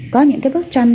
có những cái bức tranh